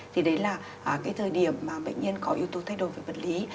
thì đấy là cái thời điểm mà bệnh nhân có yếu tố thay đổi về vật lý